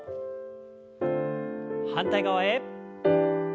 反対側へ。